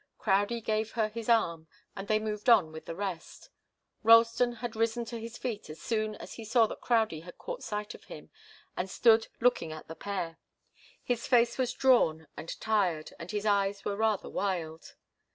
Crowdie gave her his arm, and they moved on with the rest. Ralston had risen to his feet as soon as he saw that Crowdie had caught sight of him, and stood looking at the pair. His face was drawn and tired, and his eyes were rather wild.